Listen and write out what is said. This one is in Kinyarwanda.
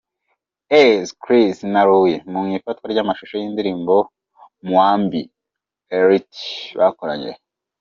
Eze Chris na Louie mu ifatwa ry'amashusho y'indirimbo Mwambie Ilete bakoranye.